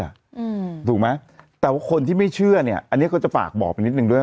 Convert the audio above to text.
ถูกไหมแต่ว่าคนที่ไม่เชื่อเนี้ยอันนี้ก็จะฝากบอกไปนิดนึงด้วย